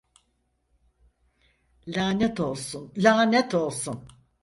Lanet olsun, lanet olsun!